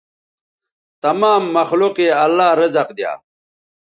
تمام مخلوق یے اللہ رزق دیا